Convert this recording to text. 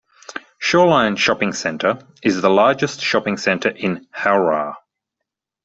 Shoreline Shopping Centre, is the largest shopping centre in Howrah.